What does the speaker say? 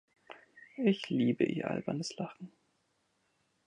Ich liebe ihr albernes Lachen.